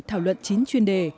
thảo luận chín chuyên đề